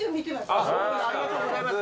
ありがとうございます。